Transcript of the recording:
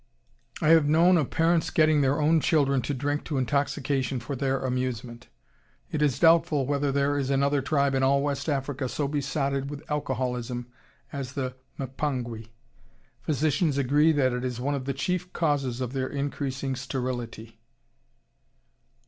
I have known of parents getting their own children to drink to intoxication for their amusement. It is doubtful whether there is another tribe in all West Africa so besotted with alcoholism as the Mpongwe. Physicians agree that it is one of the chief causes of their increasing sterility.